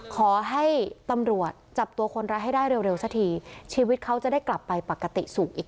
ขอให้ตำรวจจับตัวคนร้ายให้ได้เร็วสักที